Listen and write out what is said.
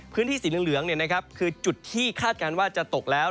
พื้นที่สีเหลืองคือจุดที่คาดการณ์ว่าจะตกแล้ว